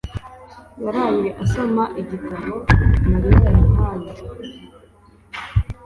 yaraye asoma igitabo Mariya yamuhaye.